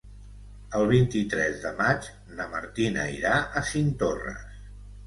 El vint-i-tres de maig na Martina irà a Cinctorres.